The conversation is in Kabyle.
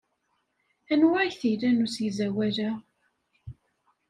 Anwa ay t-ilan usegzawal-a?